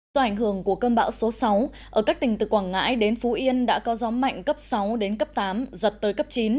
do ảnh hưởng của cơn bão số sáu ở các tỉnh từ quảng ngãi đến phú yên đã có gió mạnh cấp sáu đến cấp tám giật tới cấp chín